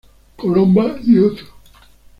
Colomba y otros.